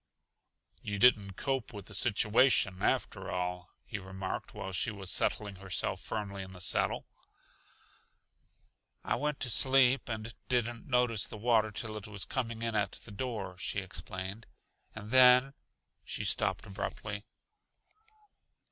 "You didn't 'cope with the situation,' after all," he remarked while she was settling herself firmly in the saddle. "I went to sleep and didn't notice the water till it was coming in at the door," she explained. "And then " She stopped abruptly.